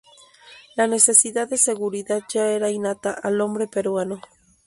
La necesidad de seguridad ya era innata al hombre peruano.